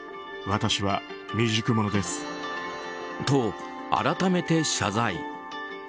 と、改めて謝罪。